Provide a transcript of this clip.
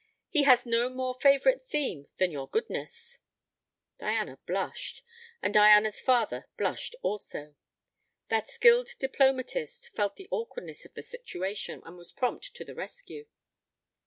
He has no more favourite theme than your goodness." Diana blushed, and Diana's father blushed also. That skilled diplomatist felt the awkwardness of the situation, and was prompt to the rescue.